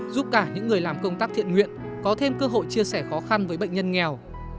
giúp cả những người làm công tác thiện nguyện có thêm cơ hội chia sẻ khó khăn với bệnh nhân nghèo